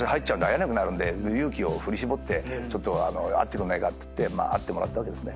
勇気を振り絞ってちょっと会ってくんないかって言って会ってもらったわけですね。